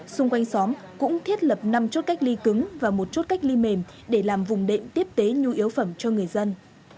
xung quanh xóm cũng thiết lập năm chốt cách ly cứng và một chốt cách ly mềm để làm vùng đệm tiếp tế nhu yếu phẩm cho người dân